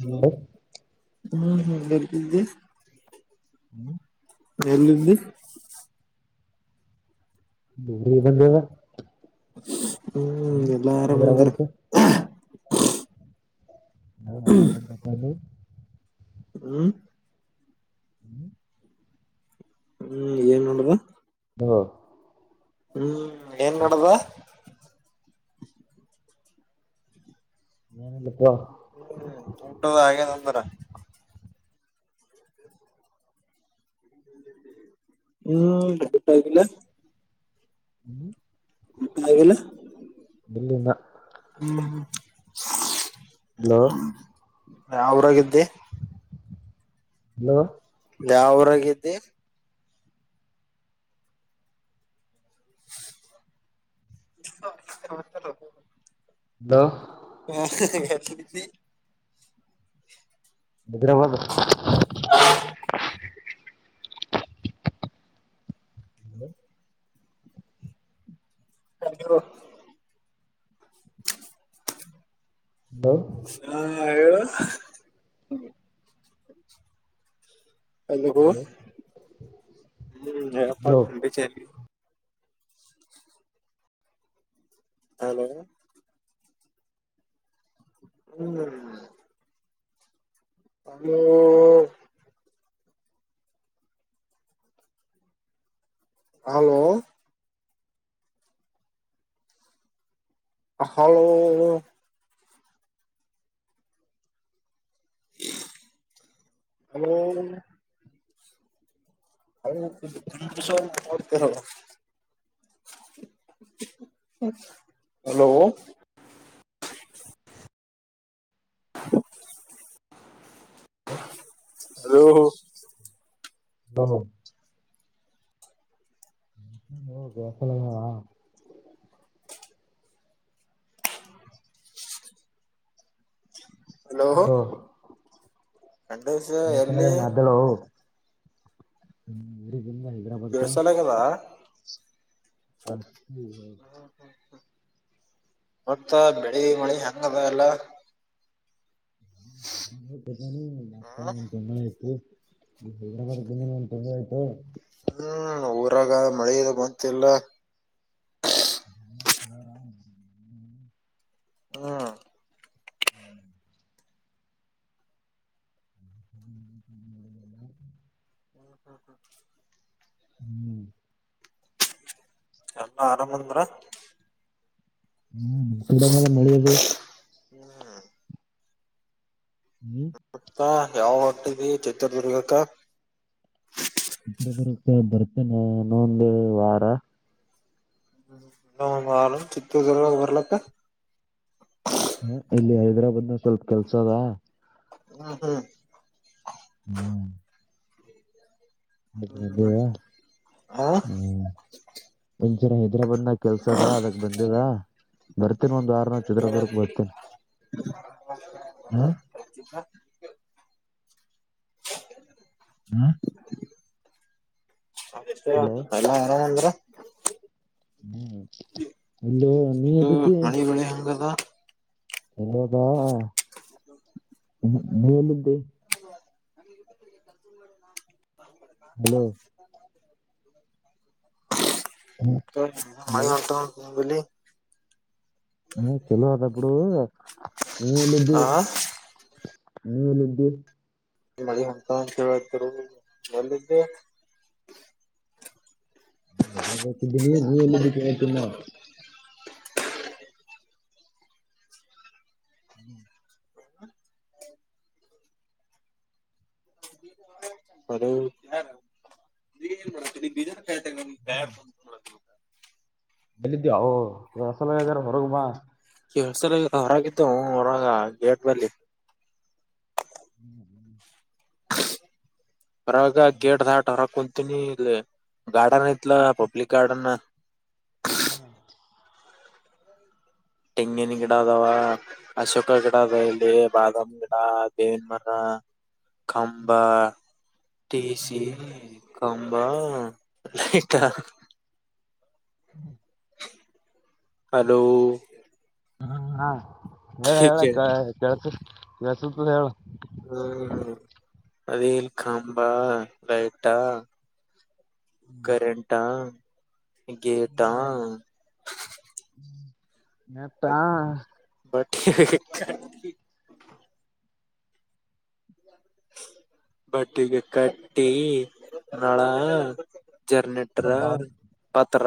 Hello ಹು ಹು ಏನ್ ತಿಂದಿ. ಹ್ಮ. ಎಲ್ಲಿಲ್ಲಿ ದೂಗೆ ಬಂದೇವ. ಹ್ಮ ಎಲ್ಲಾ ಆರಾಮ ಅಂದರ ಹಾ ಹಾ ಆರಾಮ [unintelligible] ಹ್ಮ್ ಹ್ಮ್ ಹ್ಮ್ ಏನ್ ನೋಡುದ ಹ್ಮ [unintelligible] ಹ್ಮ್ ಏನ್ ನಡದ ಬ [unintelligible] ಹ್ಮ್ ಉಟದ ಹಾಗೆ ತೊಂದ್ರ [inaudible] [inaudible] ಹ್ಮ್ ಬನಿಲ್ಲ [unintelligible] ಹ್ಮ್ ಆಗಲ್ಲ ಇಲ್ಲ ಹ್ಮ ಅಲೋ ಅಲೋ ಯಾವೂರಾಗಿದ್ದೀ ಹ ಮಾಡತ [unintelligible] [inaudible] ಅಲೋ [inaudible] ಭದ್ರಾವಾದ [unintelligible] [inaudible] ಹಲ [inaudible] ಅರು ಹ ಹಾ ಹೇಳ ಹಲೋ ಹ್ಮಯ [unintelligible] ಹಲೋ ಹ್ಮ್ ಹ ಹಲೋ ಹಲೋ ಅ ಹಾಲೋ ಅತರ [inaudible] ಹಲೋ ಹ ಹ ಹ ಬಾಸ್ ಲ್ಲೆನಾ [inaudible] ಹ್ಮ [unintelligible] ಹಲೋ ಹ ಖಂಡೇಶ ಮತ್ತಂಗಡೆ ಎಲ್ಲಿ ಮಾದಳ [unintelligible] ಹ್ಮ್ ಊರು ಬ ಹೈದರಾಬಾದಕ ಕೆಳ್ಸಲಾಗದ [unintelligible] ಹ ಹ್ಮ ಹ್ಮ [inaudible] ಮತ್ತ ಬೆಳಿ ಮಳಿ ಹೆಂಗ ಅದ ಎಲ್ಲ ತಮ್ಮ ಇತು [inaudible] ಹೈದರಾಾರ್ದೇ ಒಂದ್ ತೊಂದೆ ಆಯ್ತು ಹ್ಮ್ ಊರಾಗ ಮಳೆ ಇ ಬಂತಲ್ಲ [unintelligible] ಹಾ [unintelligible] [unintelligible] [unintelligible] ಹ್ಮ್ ಎಲ್ಲ ಆರಾಮ್ ಅಂದ್ರ. ಹ್ಮ್ [unintelligible] ಮಳೆ ಎಲ್ಲಿ. ಹ್ಮ್ ಮತ್ತ ಯಾವಗ ಹೊಂಟಿದಿ ಚಿತ್ರದುರ್ಗಕ್ಕ. ಚಿತ್ರದುರ್ಗಕ್ಕ ಬರ್ತೇನೀ ಇನೋಂದ ವಾರ. ಚಿಇನ್ನ ಒಂದು ವಾರ ಚಿತ್ರದುರ್ಗಗ ಬರಲಂತಾ. ಹ ಇಲ್ಲಿ ಹೈದ್ರಾಬಾದ್ನ ಗ ಸ್ವಲ್ಪ ಕೆಲಸ ಆದಾ. ಹಾ ಹಾ ಹ್ಮ್ [unintelligible] ಹ್ಮ್ ಹಾ ಹೈದ್ರಾಬಾದ್ನಾಗ ಕೆಲ್ಸ ಆದ ಅದಕ್ ಬಂದಿಲ್ಲ ಬರ್ತೀನಿ ಒಂದ್ ಒಂದು ವಾರನೆಗ ಚಿತ್ರದುರ್ಗಗ್ ಬರ್ತಿ ಹ್ಮ್. [unintelligible] ಹ್ಮ್ ಹಲೋ ಎಲ್ಲಾ ಆರಾಮ್ ಅಂದ್ರ. ಇಲ್ಲೊ ನೀ ಇದ್ದಿದಿ. [unintelligible] ಹೆಂಗಾದ. ಎಲ್ಲಿ ಹೋದ. ನೀ ಎಲ್ಲಿದಿ. [inaudible] ಹಲೋ. ಹಲೋ [unintelligible] ಹ್ಮ ಚಲೋ ಅದ ಬಿಡು ನೀನು ಎಲ್ಲಿದಿ. ಹಾ ನೀ ಎಲ್ಲಿದಿ. [unintelligible] ಎಲ್ಲಿದಿ. [unintelligible] ನೀವ್ ಎಲ್ಲಿದಿರಿ ಕೇಳೀತೀನಿ ನಾ. [inaudible] [inaudible] [unintelligible] ಎಲ್ಲಿದ್ದಿ [unintelligible] ಹೊರಗೆ ಬಾ ಕೆಳಸದ ಹೊರಗಿದ್ವೋ ಹೊರಗ ಗೇಟ್ನಲ್ಲಿ. [inaudible] ಹೊರಾಗ ಗೇಟ್ ದಾಟ್ ಹೊರ ಕುಂತೀನಿ ಇಲ್ಲಿ ಗಾರ್ಡನ್ ಐತ್ಲ ಪಬ್ಲಿಕ್ ಗಾರ್ಡನ್. ಹಾ. ತೆಂಗಿನ ಗಿಡ ಅದಾವ. ಅಶೋಕ ಗಿಡಲ್ಲಿ ಬಾದಾಮ್ ಗಿಡ ದೇವಿನ್ ಮರ ಕಂಬ ಟಿಸಿ ಕಂಬಾ ಲೈಟಾ ಹಾ ಹಲೋ ಹ್ಮ ಹಾ ಹೇಳ ಹೇಳು ಹ್ಮ್ ಕೇ ಕೇಳ್ಸ ಕೆಳ್ಸಸತ ಹೇಳು. ಹ್ಮ ಅದೇಲ್ಲಿ ಕಂಬಾ ಲೈಟಾ? ಕರೆಂಟಾ ಗೇಟಾ. ಮಪ್ಪಾ [unintelligible] ಬಟ್ [unintelligible] ಬಟ್ಟಿಗೆ ಕಟ್ಟಿ. ರಾಳ ಜರ್ನೆಟ್ರ ಬಾ ಪತ್ರ.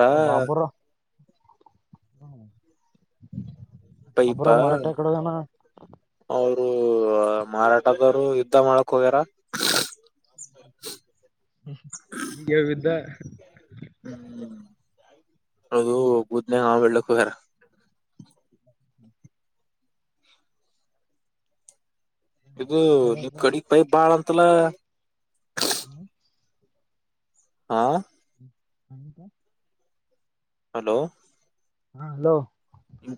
ಹ್ಮ ಪೈಪಾ. ಮರಾಠ ಕಡೆಗನ ಅವರು ಮಾರಾಟದವ್ರು ಯುದ್ಧ ಮಾಡಕ್ ಹೋಗ್ಯಾರ. [inaudible] ಹ ಈಗ ಬಿದ್ದ ಹ್ಮ್ ಅದು ಬೂದ್ನ ಹ ಬೆಳ್ಳ್ಳಕ್ಕ ಹೋಗ್ಯಾರ. ಇದು ನಿವಮ್ ಕಡಗ್ ಪೈಪ್ ಬಾಳ ಅಂತಲ್ಲ [inaudible] ಹಾ - [inaudible] ಹಲೋ ಹಾ ಹಲೋ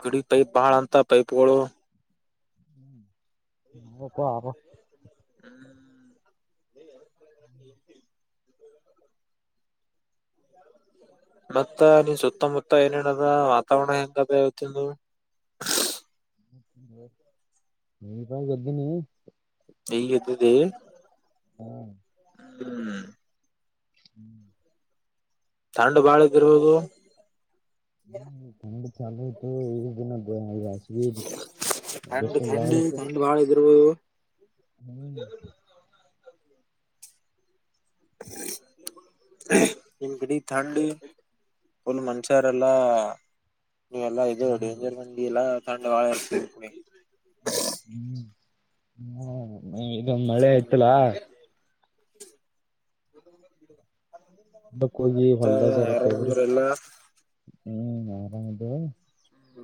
ಗಡಿ ಪೈಪ್ ಬಾಳ ಅಂತ ಪೈಪ್ಗಳು [unintelligible] ಹ್ಮ್ ಮತ್ತ ನೀನ್ ಸುತ್ತಮುತ್ತ ಏನೇನದ ವಾತಾವರಣ ಹೆಂಗ ಅದ ಇವತ್ತದು. [unintelligible] [unintelligible] [inaudible] ಹ್ಮ್ [inaudible] ತ [unintelligible] [unintelligible] [unintelligible] ಆಳಿದ್ರು. ಹ್ಮ್. [unintelligible] ಒಂದ್ ಮಂಚ ಇರಲ್ಲಾ. ನೀವೆಲ್ಲಾ ಇದು ಹ್ಮ್ ಡೇಂಜರ್ ಮಂದಿ ಅಲ್ಲ [unintelligible] ಹ್ಮ್ ಹ್ಮ. ಹ್ಮ. [unintelligible] ಕ್ಕೋಗಿ ಹೊಲ್ದ ಜರಕ್ ತೋಗ್ರಿ. ಹ್ಮ್ ಆರಾಮದ್ದೊ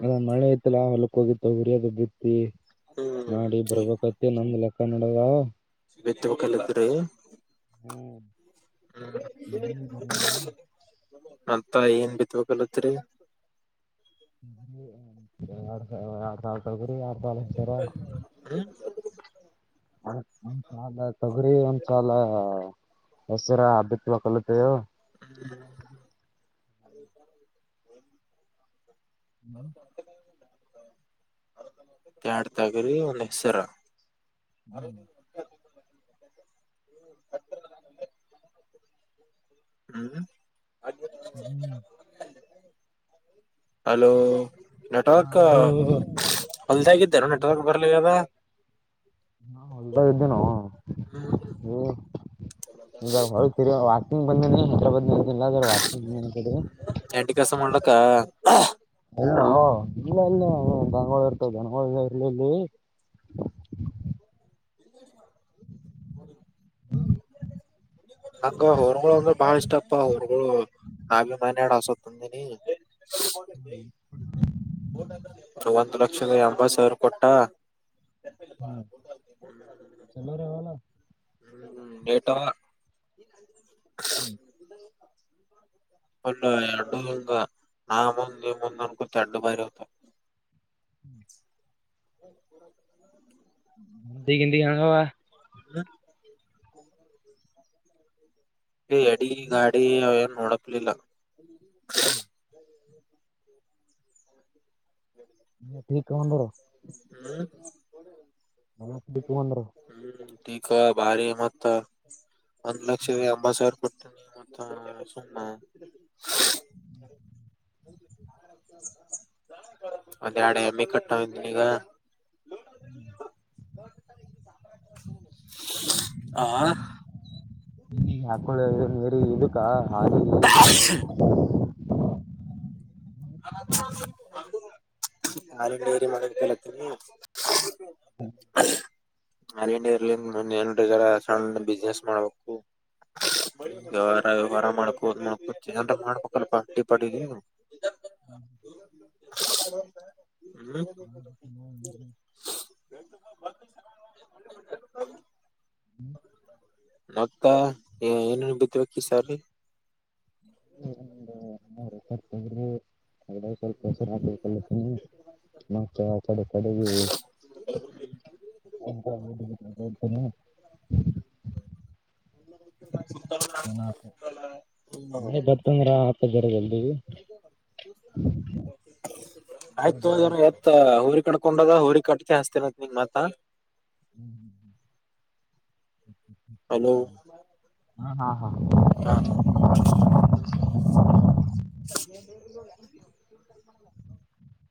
ಅಲ್ಲ ಮಳೆ ಐತಲ್ಲ ಹೊಲಕ್ಕ ಹೋಗಿ. ತೊಗರಿದ ಬಿತ್ತಿ ಮಾಡಿ ಹ್ಮ್ ಬರ್ಬೇಕತ್ತ ನಮ್ದ್ ಲೆಕ್ಕ ನೋಡವಾ. ಬಿ [unintelligible] ಹ್ಮ್. ಹ್ಮ್ ಮತ್ತ ಏನ್ ಬಿತ್ತ್ ಬೇಕ್ ಅನಂತಿರಿ ರಡು ಸಾವ ಆರಡು ಸಾವಿರ ತಳಗರಿ ಆಡು ಸಾವಾಲ ಇಷ್ಟಾರ [unintelligible] ಹ್ಮ ಒಂದ್ ಸಾಲ ತೊಗರಿ ಒಂದ್ ಸಾಲ ಹೆಸರ ಅಬತ್ವ ಕಲಿತೇವು. ಹ್ಮ್ಮ. ಹ್ಮ್. ಎರಡು ತೊಗರಿ ಒಂದ್ ಹೆಸರ. ಹ್ಮ್. ಹ್ಮ್ ಹ್ಮ್. ಹಲೋ ನೆಟ್ವರ್ಕ್ ಹಲೋ ಹೊಲ್ದಾಗಿದ್ದಾರ ನೆಟ್ವರ್ಕ್ ಬರ್ಲಿ ಅದ. ಹಾ ಹೊಲ್ದ ಇದಿದ್ದೇ ನೋ. ಹ್ಮ್ ಹೊ ವಾಕಿಂಗ್ ಬಂದೇನೆ ಹೈದರಾಬಾದ್ ನಿಲ್ಲ ವಾಕಿಂಗ್ ಬಂದ. ಕೆಲ್ಸ ಮಾಡ್ಲಕ್ಕ. ಎಲ್ಲ ಇಲ್ಲಲ್ಲಿ ಇರ್ತ ಜೋಳ ಇಲ್ಲಿಲ್ಲಿ. ಹ. ಹಂಗ ಹಊರ್ಗಳು ಅಂದ್ರೆ ಬಾಳ ಇಷ್ಟಪ್ಪ ಅವಊರ್ಗಳು ನಭಿ ಮನ್ಡ ಹಸತ್. ಸರಿ. ಒಂದು ಲಕ್ಷದ ಎಂಬತ್ತು ಸಾವಿರ ಕೊಟ್ಟ ಹ್ಮ ಚಲೋ ರವಲ್ಲ ಹ್ಮ್್ಮ ಟಾ ಹ್ಮ್ [inaudible] ಒಂದು ಆ ಅಡ್ಡುಂಗ ನಾ ಮುಂದ ಈ ಮುಂದ ಅನ್ಕೊತ ಅಡ್ಡು ಬಾರಿತ ಹ್ಮ್ [unintelligible] ಹ್ಮ [unintelligible] ಹಗಿ ಗಂಗುವ [unintelligible] ಹ್ಮ್ [unintelligible] ಅಡಿ ಗಾಡಿ ಅವನ್ ನಡಪಲಿಲ್ಲ ಹ್ಮ್ ಟೀ ತಗೊಂಡರು ಹ್ಮ್ ನಮ ದೀಪು ಮೊಂಡರ ಹ್ಮ್ ಚೀಿಕ ಭಾರಿ ಮತ್ತ ಒಂದ ಲಕ್ಷ ಅಂಬಸರ್ ಕೊತಾನ ಮ ಸು್ಣ [inaudible] ಹ ಒಂದ್ ಎಡು ಎಮ್ಮೆ ಕಟ್ಟ ಈಗ ಹ್ಮ್ [inaudible] ಆ ಹ ಹಾ ಬೇರಿ ಇದಕ್ಕ ಹಾಗ [inaudible] ನಾರಿ ಏರಿ ಮಾಡ ಕೇಳತ್ತೀರಿ ಹ್ಮ ನಾನ ಇಂಡ ಇರ್ಲಿ ಏನ ಜರ ಸಣ್ಣ ಬಿಸ್ನೆಸ್ ಮಾಡ್ಬೇಕು ವ್ಯವಾರ ವ್ಯವಾರ ಮಾಡ್ಕೋದ ಮಾಡಕೋ ಮಾಡ್ಬೇಕಲ್ ಪಾರಿ ಪಡಿದ ಹ್ಮ್ [inaudible] ಹ್ಮ [inaudible] [inaudible] ಹ್ಮ್ ಮತ್ತ ಏನೇನ್ ಬಿತ್ಬೇಕ ಈಸಾರಿ. ಸ್ವಲ್ಪ [unintelligible] [unintelligible] ಅಲ್ಲಪೊ ಮತ್ತೆ ಅಕಡಿಕಡೆಗೆ [unintelligible] [inaudible] ಫೊನ್ ಹಾಕು ಹ್ಮ್ ಮನಿಗ್ ಬರ್ತಂದರ. [unintelligible] ಜಲ್ದಿ ಮಳೆ ಆಯ್ತುದ ಬರವಲ್ದು. ಎತ್ ಹಊರಿ ಕಕೊಂಡದ ಹಊರಿ ಕಟ್ಕ ಹಸ್ತೇನತ್ ನಿಂಗ್ ಮಾತ್ತ. ಹ್ಮ್ ಹ್ ಹ್ ಹಲೋ ಹಾ ಹಾ ಹ ಹಾ [inaudible]